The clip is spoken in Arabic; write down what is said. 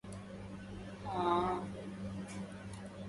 خسر كافة ممتلكاته.